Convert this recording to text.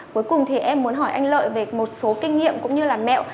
cuối cùng thì em muốn hỏi anh lợi về một số kinh nghiệm cũng như là mẹo